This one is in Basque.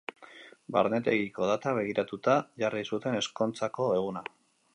Barnetegiko datak begiratuta jarri zuten ezkontzako eguna.